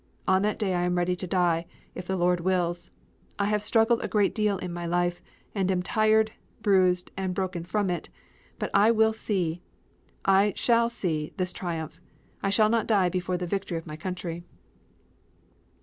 On that day I am ready to die, if the Lord wills. I have struggled a great deal in my life, and am tired, bruised and broken from it, but I will see, I shall see, this triumph. I shall not die before the victory of my country."